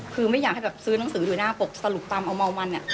คือไม่อยากให้ซื้อหนังสือหรือหน้าปกตลุกตำเอามาวมันน่ะ